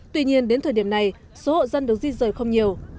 tuy nhiên đến thời điểm này số hộ dân được di rời không nhiều